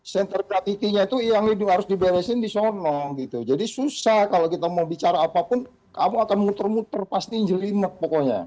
center gravity nya itu yang harus diberesin di sonong gitu jadi susah kalau kita mau bicara apapun kamu akan berjalan jalan pasti menjerimut pokoknya